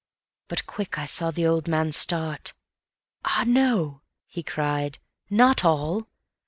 . But quick I saw the old man start: "Ah no!" he cried, "not all.